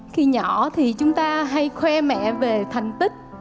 khi nhỏ thì chúng ta hay khoe mẹ về thành tích